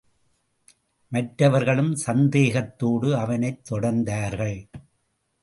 மற்றவர்களும் சந்தேகத்தோடு அவனைத் தொடர்ந்தார்கள்.